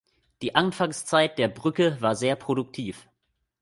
Die Anfangszeit der "Brücke" war sehr produktiv.